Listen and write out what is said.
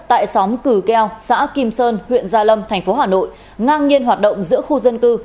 tại xóm cử keo xã kim sơn huyện gia lâm thành phố hà nội ngang nhiên hoạt động giữa khu dân cư